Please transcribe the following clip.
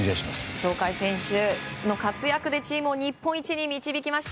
鳥海選手の活躍でチームを日本一に導きました。